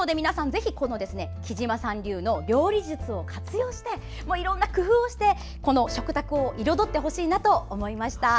ぜひ、きじまさん流の料理術を活用していろんな工夫をしてこの食卓を彩ってほしいなと思いました。